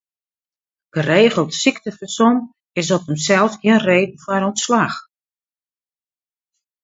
Geregeld syktefersom is op himsels gjin reden foar ûntslach.